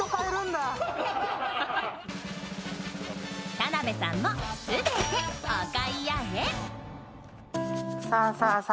田辺さんもすべてお買い上げ。